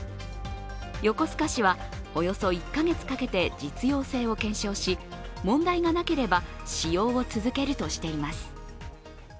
横須賀市は、およそ１か月かけて実用性を検証し、問題がなければ使用を続けるとしています。